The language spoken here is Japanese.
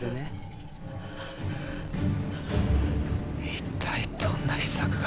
一体どんな秘策が。